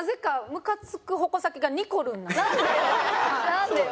なんでよ？